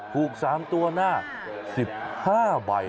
ถูกสร้างตัวหน้า๑๕ใบ